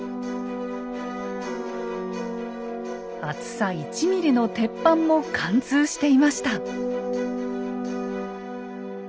厚さ１ｍｍの鉄板も貫通していました。